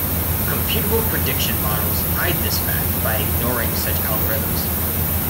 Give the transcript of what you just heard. Computable prediction models hide this fact by ignoring such algorithms.